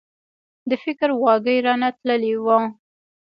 د فکر واګي رانه تللي وو.